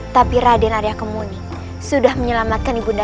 tapi raden arya kemuning sudah menyelamatkan ibu nda